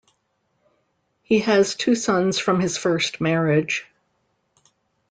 He has two sons from his first marriage.